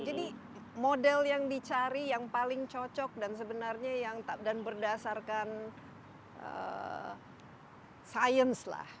jadi model yang dicari yang paling cocok dan sebenarnya yang dan berdasarkan science lah